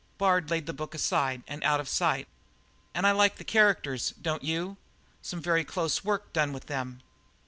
Bard laid the book aside and out of sight. "And I like the characters, don't you? Some very close work done with them."